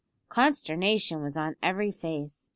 Consternation was on every face.